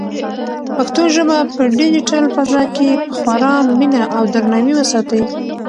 پښتو ژبه په ډیجیټل فضا کې په خورا مینه او درناوي وساتئ.